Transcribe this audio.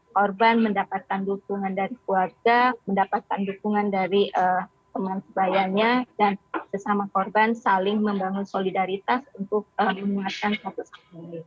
korban mendapatkan dukungan dari keluarga mendapatkan dukungan dari teman sebayanya dan sesama korban saling membangun solidaritas untuk menguatkan status ini